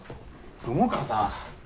雲川さん。